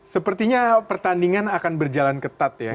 sepertinya pertandingan akan berjalan ketat ya